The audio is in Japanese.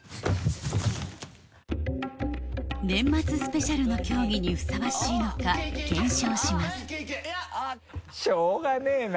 年末スペシャルの競技にふさわしいのか検証しますしょうがねぇな。